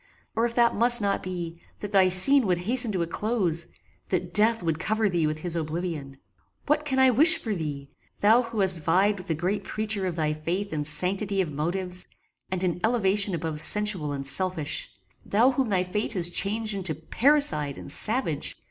or, if that must not be, that thy scene would hasten to a close! that death would cover thee with his oblivion! What can I wish for thee? Thou who hast vied with the great preacher of thy faith in sanctity of motives, and in elevation above sensual and selfish! Thou whom thy fate has changed into paricide and savage!